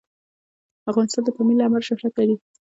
افغانستان د پامیر له امله شهرت لري.